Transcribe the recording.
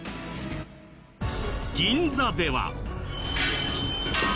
銀座では。